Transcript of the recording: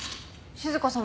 静香さん